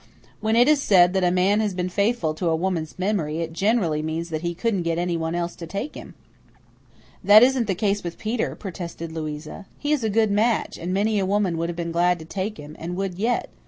"When it is said that a man has been faithful to a woman's memory it generally means that he couldn't get anyone else to take him." "That isn't the case with Peter," protested Louisa. "He is a good match, and many a woman would have been glad to take him, and would yet.